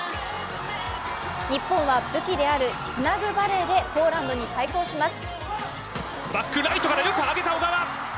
日本は武器である、つなぐバレーでポーランドに対抗します。